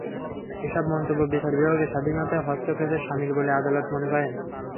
এসব মন্তব্য বিচার বিভাগের স্বাধীনতায় হস্তক্ষেপের শামিল বলে আদালত মনে করেন।